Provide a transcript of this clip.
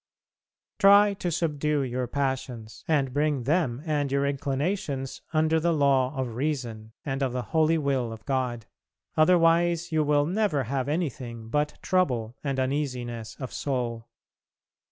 Try to subdue your passions and bring them and your inclinations under the law of reason and of the holy will of God: otherwise you will never have anything but trouble and uneasiness of soul.